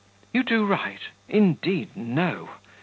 "You do right? Indeed, no!